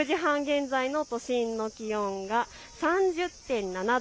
６時半現在の都心の気温が３０．７度。